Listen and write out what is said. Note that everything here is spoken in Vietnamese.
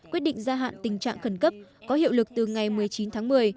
quyết định gia hạn tình trạng khẩn cấp có hiệu lực từ ngày một mươi chín tháng một mươi